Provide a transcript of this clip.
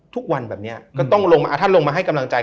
ทุกวันแบบเนี่ยก็ต้องลงมาให้กำลังใจ